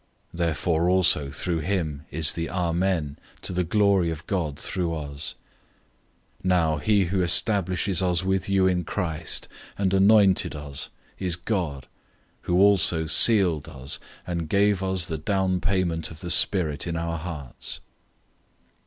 Therefore also through him is the "Amen," to the glory of God through us. 001:021 Now he who establishes us with you in Christ, and anointed us, is God; 001:022 who also sealed us, and gave us the down payment of the Spirit in our hearts.